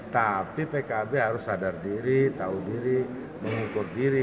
tapi pkb harus sadar diri tahu diri mengukur diri